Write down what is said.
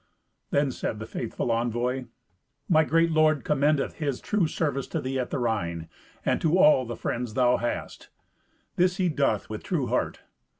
Then said the faithful envoy, "My great lord commendeth his true service to thee at the Rhine, and to all the friends thou hast. This he doth with true heart.